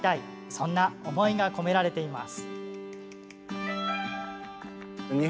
そんな思いが込められています。